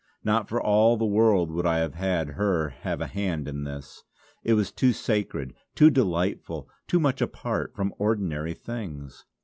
Not for all the world would I have had her have a hand in this; it was too sacred too delightful too much apart from ordinary things!